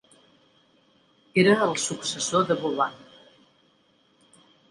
Era el successor de Vauban.